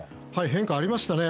変化、ありましたね。